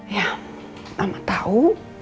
ya mama tau